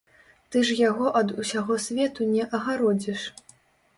Ты ж яго ад усяго свету не агародзіш!